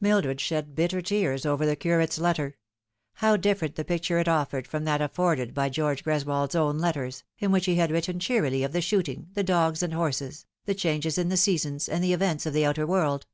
Mildred shed bitter tears over the curate's letter. How different the picture it offered from that afforded by George Greswold's own letters, in which he had written cheerily of At the Sands Run Down. 309 the shooting, the dogs and horses, the changes in the seasons, and the events of the outer world